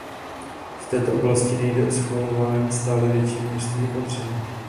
V této oblasti nejde o schvalování stále většího množství opatření.